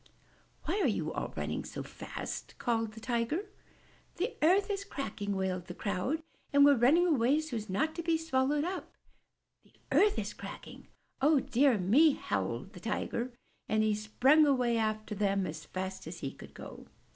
Why are you all running so fast?" called the Tiger. 'The earth is cracking!" wailed the crowd. *'And we're running away so's not to be swallowed up!" *The earth is cracking? O dear me!" howled the Tiger, and he sprang away after them as fast as he could go.